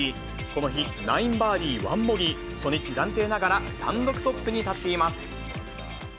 この日、９バーディー１ボギー、初日暫定ながら単独トップに立っています。